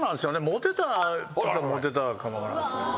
モテたといえばモテたかも分からんですね。